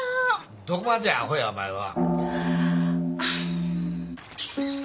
どこまでアホやお前は。